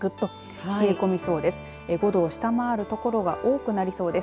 ５度を下回る所が多くなりそうです。